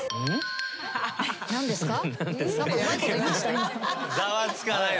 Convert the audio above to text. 何ですか？